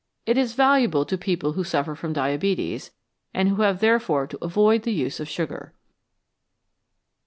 It is valuable to people who suffer from diabetes, and who have therefore to avoid the use of sugar.